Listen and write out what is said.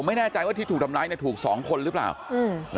ไม่แน่ใจว่าที่ถูกทำร้ายเนี่ยถูกสองคนหรือเปล่าอืม